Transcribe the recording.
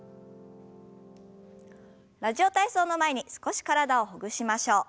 「ラジオ体操」の前に少し体をほぐしましょう。